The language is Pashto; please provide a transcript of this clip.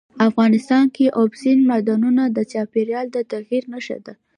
افغانستان کې اوبزین معدنونه د چاپېریال د تغیر نښه ده.